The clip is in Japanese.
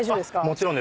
もちろん。